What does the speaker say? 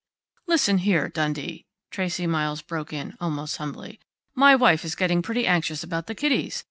"Listen here, Dundee," Tracey Miles broke in, almost humbly. "My wife is getting pretty anxious about the kiddies.